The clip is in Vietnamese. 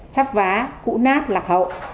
cắp vá cụ nát lạc hậu